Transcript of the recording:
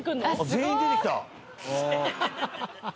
全員出てきた。